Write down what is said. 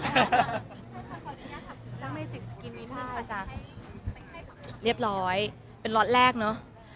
เรียบร้อยเป็นล็อตแรกเนอะ